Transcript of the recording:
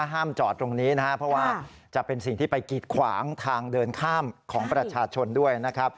ห้ามจอดตรงนี้นะครับเพราะว่าจะเป็นสิ่งที่ไปกีดขวางทางเดินข้ามของประชาชนด้วยนะครับ